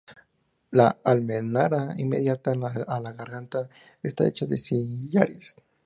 La almenara, inmediata a la garganta, está hecha de sillares.